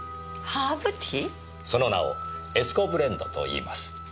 その名を「悦子ブレンド」と言います。